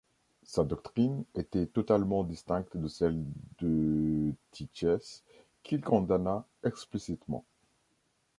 Sa doctrine était totalement distincte de celle d'Eutychès, qu'il condamna explicitement.